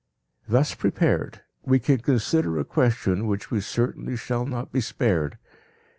Thus prepared we can consider a question which we certainly shall not be spared.